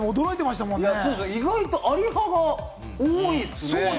意外とあり派が多いですね。